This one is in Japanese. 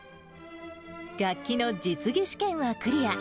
楽器の実技試験はクリア。